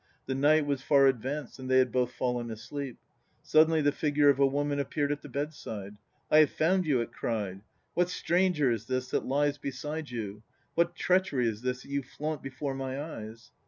"The night was far advanced and they had both fallen asleep. Suddenly the figure of a woman appeared at the bedside. "I have found you!" it cried. "What stranger is this that lies beside you? What treachery is this that you flaunt before my eyes?"